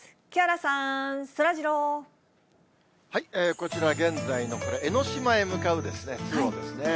こちらは現在のこれ、江の島へ向かうですね、ですね。